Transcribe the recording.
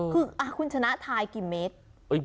คือคุณชนะทายกี่เมตร